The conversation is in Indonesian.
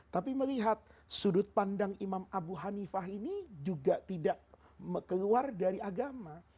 tapi melihat sudut pandang imam abu hanifah ini juga tidak keluar dari agama